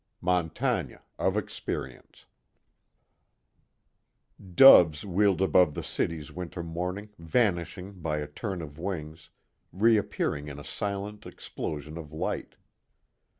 MONTAIGNE, Of Experience I Doves wheeled above the city's winter morning, vanishing by a turn of wings, reappearing in a silent explosion of light.